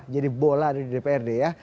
jadi bola ada di dprd ya